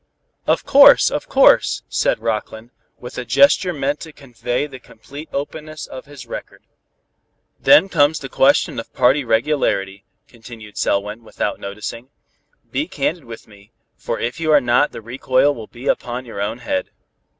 "Of course, of course," said Rockland, with a gesture meant to convey the complete openness of his record. "Then comes the question of party regularity," continued Selwyn, without noticing. "Be candid with me, for, if you are not, the recoil will be upon your own head."